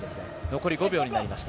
残り５秒になりました。